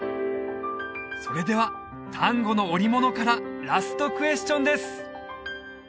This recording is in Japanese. それでは丹後の織物からラストクエスチョンです